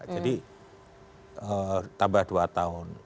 jadi tambah dua tahun